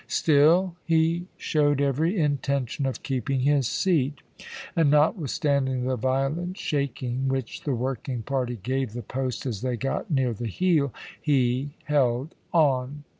Still he showed every intention of keeping his seat, and notwithstanding the violent shaking which the working party gave the post as they got near the heel, he held on.